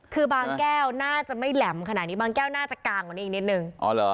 คือบางแก้วน่าจะไม่แหลมขนาดนี้บางแก้วน่าจะกลางกว่านี้อีกนิดนึง